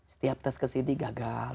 setiap tes kesini gagal